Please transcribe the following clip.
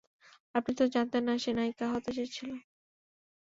আপনি তো জানতেন না, সে নায়িকা হতে চেয়েছিলো।